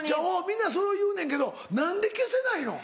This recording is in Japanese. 皆そう言うねんけど何で消せないの？